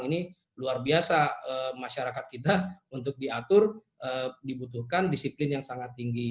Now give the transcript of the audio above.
ini luar biasa masyarakat kita untuk diatur dibutuhkan disiplin yang sangat tinggi